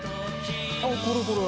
あっこれこれ。